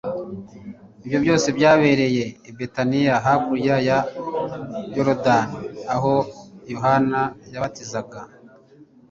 Ibyo byose byabereye i Betaniya hakurya ya Yorodani aho Yohana yabatizaga